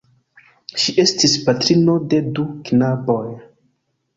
Ŝi estis patrino de du knaboj.